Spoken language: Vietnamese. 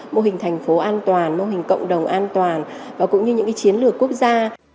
mô hình thành phố an toàn mô hình cộng đồng an toàn và cũng như những chiến lược quốc gia